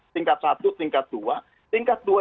tingkat satu tingkat dua tingkat dua